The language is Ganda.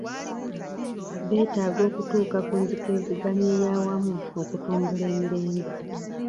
Betaaga okutuuka ku nzikiriziganya eyawamu okutumbula emirembe.